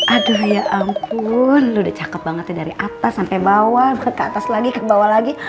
aduh ya ampun udah cakep banget ya dari atas sampai bawah ke atas lagi ke bawah lagi